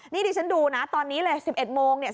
นี่ที่ฉันดูนะตอนนี้เลย๑๑โมง